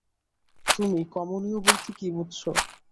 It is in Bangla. তুমি কমনীয় বলতে কী বুঝচ্ছ?